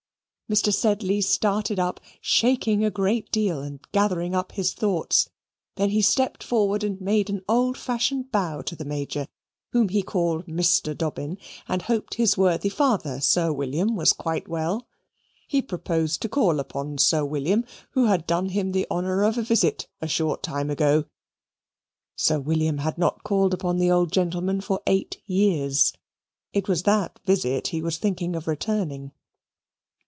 Mr. Sedley started up, shaking a great deal and gathering up his thoughts. Then he stepped forward and made an old fashioned bow to the Major, whom he called Mr. Dobbin, and hoped his worthy father, Sir William, was quite well. He proposed to call upon Sir William, who had done him the honour of a visit a short time ago. Sir William had not called upon the old gentleman for eight years it was that visit he was thinking of returning.